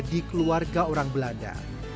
di keluarga orang belanda